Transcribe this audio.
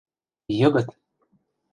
Йыгыт!